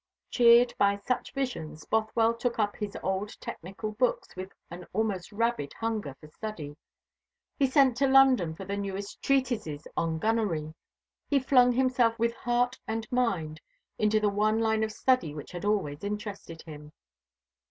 Cheered by such visions, Bothwell took up his old technical books with an almost rabid hunger for study. He sent to London for the newest treatises on gunnery. He flung himself with heart and mind into the one line of study which had always interested him.